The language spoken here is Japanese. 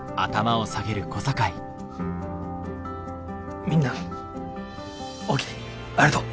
みんなおおきにありがとう。